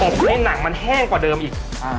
ให้หนังมันแห้งกว่าเดิมอีก